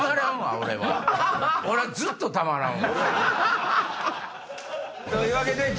俺はずっとたまらんわ。